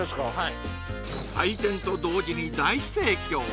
開店と同時に大盛況